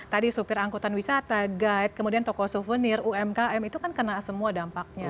tadi supir angkutan wisata guide kemudian toko souvenir umkm itu kan kena semua dampaknya